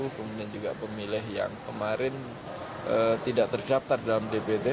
kemudian juga pemilih yang kemarin tidak terdaftar dalam dpt